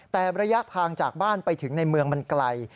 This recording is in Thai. แต่ระยะทางจากบ้านไปถึงในเมืองมันไกล